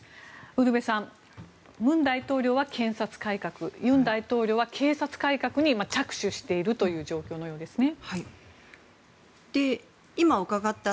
ウルヴェさん文大統領は検察改革尹大統領は警察改革に着手しているという状況のようですね。